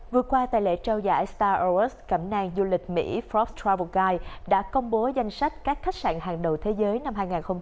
vừa qua tại lễ trao giải star awards cẩm nàng du lịch mỹ forbes travel guide đã công bố danh sách các khách sạn hàng đầu thế giới năm hai nghìn hai mươi bốn